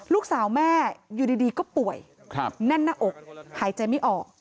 ลูกสาวแม่อยู่ดีก็ป่วยแน่นหน้าอกหายใจไม่ออก